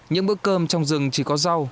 những bữa cơm trong rừng chỉ có rau